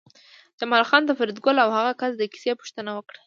جمال خان د فریدګل او هغه کس د کیسې پوښتنه وکړه